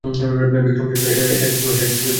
বিক্রমের জন্য এটাই সেই সুযোগ ছিল।